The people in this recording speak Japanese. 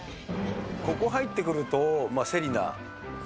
ここ入ってくると、瀬里奈。